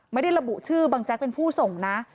ไม่ได้ระบุชื่อบังแจ๊กเป็นผู้ส่งนะ